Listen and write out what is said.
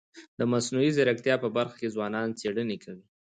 د مصنوعي ځیرکتیا په برخه کي ځوانان څيړني کوي.